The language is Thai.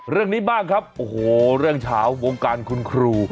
เรื่องนี้บ้างครับโอ้โหเรื่องเฉาวงการคุณครู